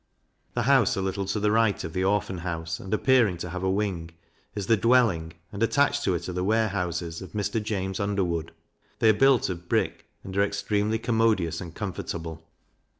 The house a little to the right of the Orphan house, and appearing to have a wing, is the Dwelling, and, attached to it, are the Warehouses of Mr. James Underwood; they are built of brick, and are extremely commodious and comfortable.